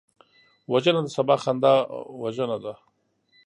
وژنه د سبا خندا وژنه ده